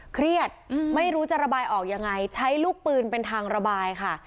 เครียดไม่รู้จะระบายออกยังไงใช้ลูกปืนเป็นทางระบายค่ะ